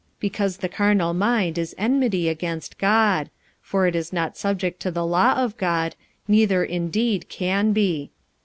45:008:007 Because the carnal mind is enmity against God: for it is not subject to the law of God, neither indeed can be.